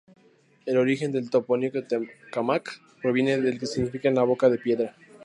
El origen del topónimo "Tecámac" proviene del que significa "en la boca de piedra".